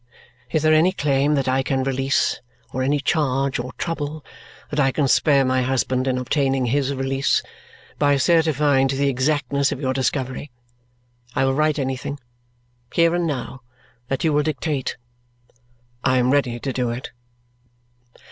Is there any claim that I can release or any charge or trouble that I can spare my husband in obtaining HIS release by certifying to the exactness of your discovery? I will write anything, here and now, that you will dictate. I am ready to do it."